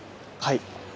はい。